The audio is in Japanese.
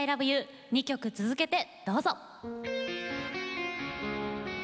２曲続けてどうぞ。